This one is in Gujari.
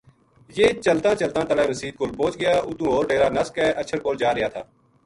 یہ چلتاں چلتاں تلے مسیت کول پوہچ گیا اُتوں ہور ڈیرا نَس کے اَچھر کول جا رہیا تھا